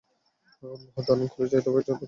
বোহ, দারুণ করেছ, তবে এটার কোনো দরকার ছিল না।